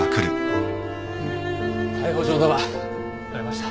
逮捕状が取れました。